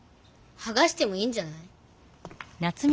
はがしてもいいんじゃない？